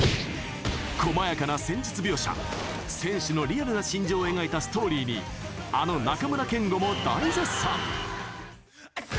こまやかな戦術描写選手のリアルな心情を描いたストーリーにあの中村憲剛も大絶賛。